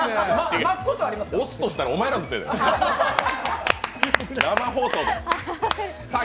押すとしたらお前らのせいだよ、生放送です。